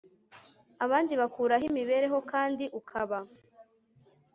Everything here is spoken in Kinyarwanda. abantu bakuraho imibereho kandi ukaba